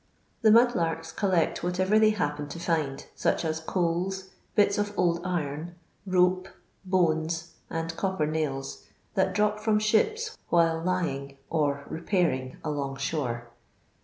The mud larks collect whatever they happen to find, such as coals, bits of old iron, rope, bones, and copper nails that drop from ships while lying or repairing along shore.